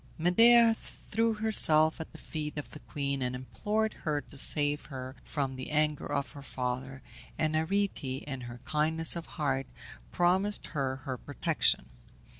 Medea threw herself at the feet of the queen, and implored her to save her from the anger of her father, and Arete, in her kindness of heart, promised her her protection.